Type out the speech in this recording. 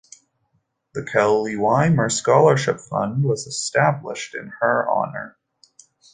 The Kellie Waymire Scholarship Fund was established in her honor.